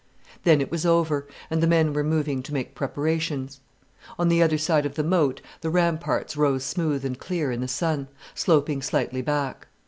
Then it was over, and the men were moving to make preparations. On the other side of the moat the ramparts rose smooth and clear in the sun, sloping slightly back.